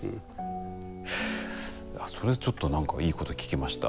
それちょっと何かいいこと聞きました。